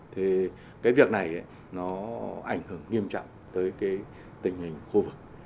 thì cái việc này nó ảnh hưởng nghiêm trọng tới cái tình hình khu vực